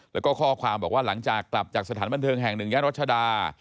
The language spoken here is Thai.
แล้วก็ข้อความบอกว่าหลังจากกลับจากสถานบันเทิงแห่งหนึ่งย่านรัชดา